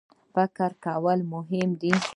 فکر کول مهم دی.